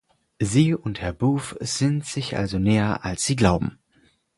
Sie und Herr Booth sind sich also näher, als Sie glauben.